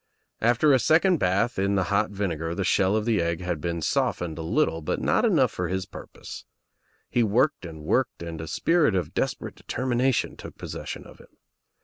After a :cond bath in the hot vinegar the shell of the egg lad been softened a little but not enough for his pur pose. He worked and worked and a spirit of des perate determination took possession of him.